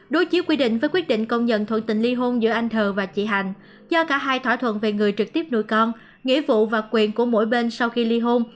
do cả hai thỏa thuận về người trực tiếp nuôi con nghĩa vụ và quyền của mỗi bên sau khi ly hôn